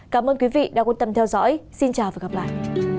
cảm ơn quý vị đã quan tâm theo dõi xin chào và hẹn gặp lại